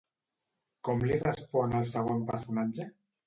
Com li respon el segon personatge?